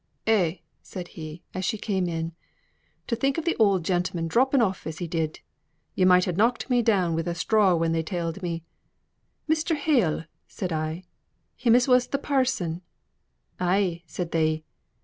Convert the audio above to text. "Eh!" said he, as she came in, "to think of th' oud gentleman dropping off as he did! Yo' might ha' knocked me down wi' a straw when they telled me. 'Mr. Hale?' said I; 'him as was th' parson?' 'Ay,' said they.